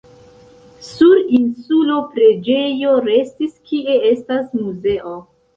Sur insulo preĝejo restis, kie estas muzeo.